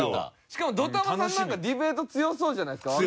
しかもＤＯＴＡＭＡさんなんかディベート強そうじゃないですか？